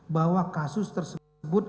bahwa kasus tersebut